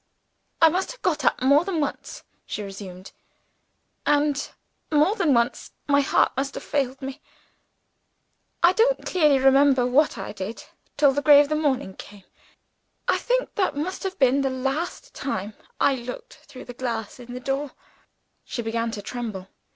"I must have got up more than once," she resumed. "And more than once my heart must have failed me. I don't clearly remember what I did, till the gray of the morning came. I think that must have been the last time I looked through the glass in the door." She began to tremble.